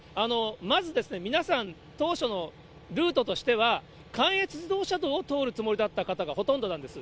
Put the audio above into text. まず皆さん、当初のルートとしては、関越自動車道を通るつもりだった方がほとんどなんです。